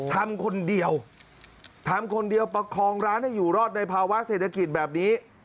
ทำคนเดียวทำคนเดียวประคองร้านให้อยู่รอดในภาวะเศรษฐกิจแบบนี้